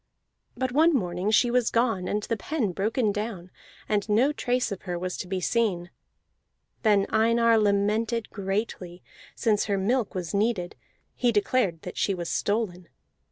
But one morning she was gone and the pen broken down, and no trace of her was to be seen. Then Einar lamented greatly, since her milk was needed: he declared that she was stolen.